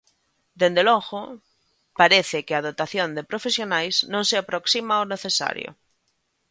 Dende logo, parece que a dotación de profesionais non se aproxima ao necesario.